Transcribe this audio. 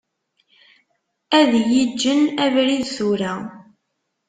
Ad yi-ğğen abrid tura.